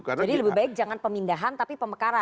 jadi lebih baik jangan pemindahan tapi pemekaran